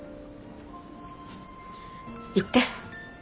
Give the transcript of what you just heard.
行って。